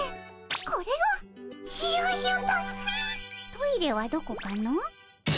トイレはどこかの？